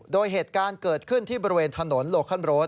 โดยเหตุการณ์เกิดขึ้นที่บริเวณถนนโลคันโรด